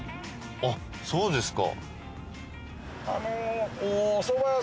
あっそうですか。